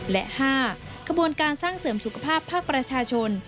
และ๕ขบวนการสร้างเสริมสุขภาพภาคประชาชน